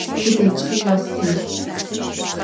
Tıdeç'i vos têlh.